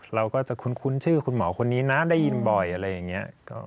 เราก็จะคุ้นชื่อคุณหมอคนนี้นะได้ยินบ่อยอะไรอย่างนี้